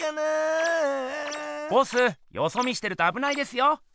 ボスよそ見してるとあぶないですよ。